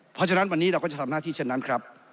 เพราะฉะนั้นวันนี้เราก็จะทำหน้าที่เช่นนั้นครับ